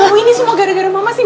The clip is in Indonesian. oh ini semua gara gara mama sih